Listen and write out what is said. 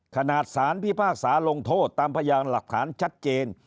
ขนาดสารพิพากษาลงโทษตามพยานหลักฐานชัดเจน